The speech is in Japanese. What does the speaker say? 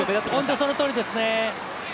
本当、そのとおりですね。